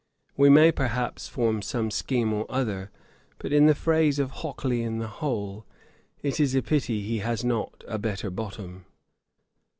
We may, perhaps, form some scheme or other; but, in the phrase of Hockley in the Hole, it is a pity he has not a better bottom.'